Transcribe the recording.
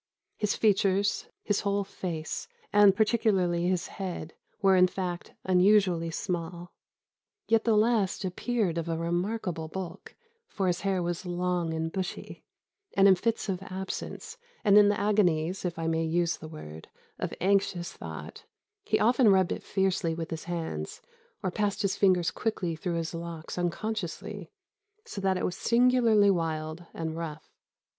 His features, his whole face, and particularly his head, were, in fact, unusually small; yet the last appeared of a remarkable bulk, for his hair was long and bushy, and in fits of absence, and in the agonies (if I may use the word) of anxious thought, he often rubbed it fiercely with his hands, or passed his fingers quickly through his locks unconsciously, so that it was singularly wild and rough.